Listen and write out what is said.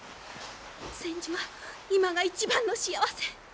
千手は今が一番の幸せ。